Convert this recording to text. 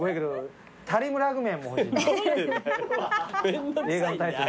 タリムラグメンも欲しいな。